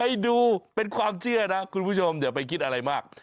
ไปดูเป็นความเชื่อนะคุณผู้ชมอย่าไปคิดอะไรมาก